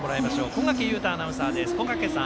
小掛雄太アナウンサーです。